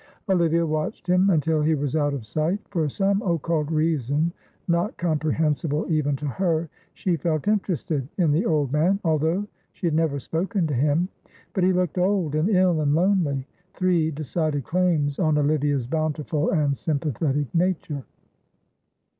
Olivia watched him until he was out of sight; for some occult reason, not comprehensible even to her, she felt interested in the old man, although she had never spoken to him; but he looked old and ill and lonely; three decided claims on Olivia's bountiful and sympathetic nature.